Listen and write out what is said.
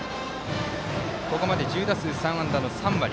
ここまで１０打数３安打の３割。